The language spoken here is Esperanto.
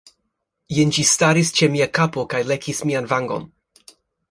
Jen ĝi staris ĉe mia kapo kaj lekis mian vangon.